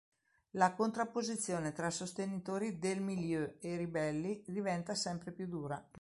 La contrapposizione tra sostenitori del Milieu e Ribelli diventa sempre più dura.